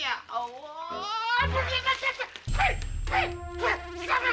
ya allah bener bener capek